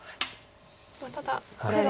ただこれで。